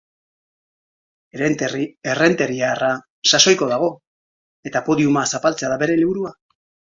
Errenteriarra sasoiko dago eta podiuma zapaltzea da bere helburua.